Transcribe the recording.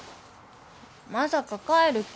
まさか帰る気？